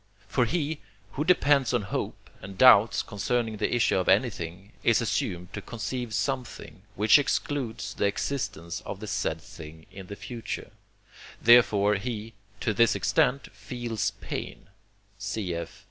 For he, who depends on hope and doubts concerning the issue of anything, is assumed to conceive something, which excludes the existence of the said thing in the future; therefore he, to this extent, feels pain (cf.